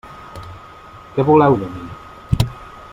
Què voleu de mi?